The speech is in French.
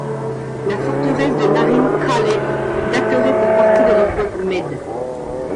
La forteresse de Narin Qaleh daterait pour partie de l'époque mède.